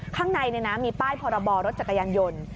ข้างในมีป้ายพรบรรถจักรยานยนต์